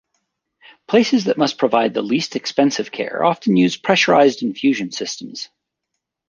Places that must provide the least-expensive care often use pressurized infusion systems.